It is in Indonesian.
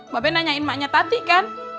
mbak be nanyain maknya tati kan